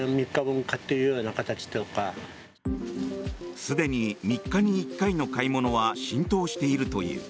すでに３日に１回の買い物は浸透しているという。